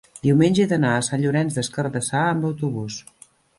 Diumenge he d'anar a Sant Llorenç des Cardassar amb autobús.